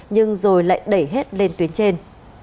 nhưng rồi lại đẩy hết lên tuyến trên